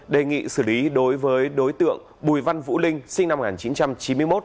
đề nghị xử lý đối với đối tượng bùi văn vũ linh sinh năm một nghìn chín trăm chín mươi một